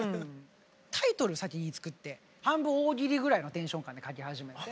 タイトル先に作って半分大喜利ぐらいのテンション感で書き始めて。